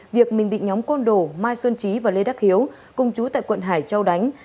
việc mình bị nhóm côn đổ mai xuân trí và lê đắc hiếu cung chú tại quận hải châu đánh